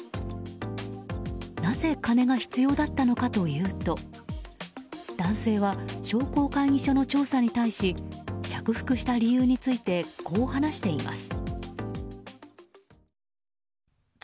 なぜ金が必要だったのかというと男性は、商工会議所の調査に対し着服した理由についてこう話しています。